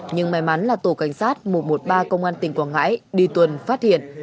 nhưng may mắn là tổ cảnh sát một trăm một mươi ba công an tỉnh quảng ngãi đi tuần phát hiện